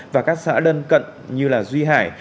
và các xã đơn cận như là duy hải